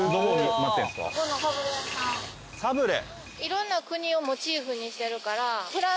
サブレ。